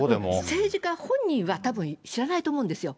政治家本人は、たぶん知らないと思うんですよ。